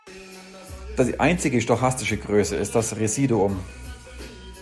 Die einzige stochastische Größe ist das Residuum.